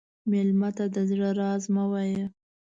مېلمه ته د زړه راز مه وایه.